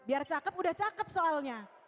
biar cakep udah cakep soalnya